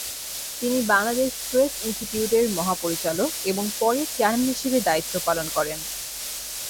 তিনি বাংলাদেশ প্রেস ইনস্টিটিউটের মহাপরিচালক এবং পরে চেয়ারম্যান হিসেবে দায়িত্ব পালন করেন।